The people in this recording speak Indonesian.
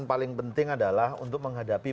yang paling penting adalah untuk menghadapi